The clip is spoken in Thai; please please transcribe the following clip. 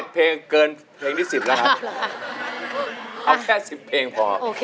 เพลงเกินเพลงที่๑๐แล้วครับเอาแค่๑๐เพลงพอ